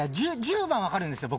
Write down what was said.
１０番分かるんですよ